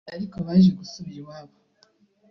ariko baje gusubira iwabo